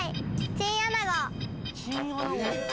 チンアナゴ。